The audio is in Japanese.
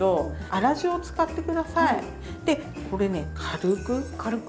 でこれね軽く。軽く？